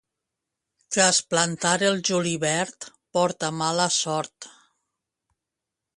Trasplantar el julivert porta mala sort.